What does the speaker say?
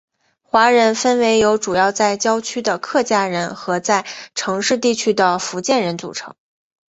华人分为由主要在郊区的客家人和在城市地区的福建人组成。